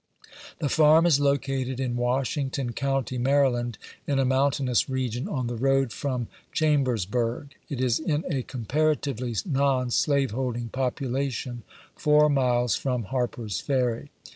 The Farm is located in Washington County, Mary land, in a mountainous region, oh the road from Cham bersburg; it is in a comparatively non slaveholding popu lation, four miles from Harper's Ferry.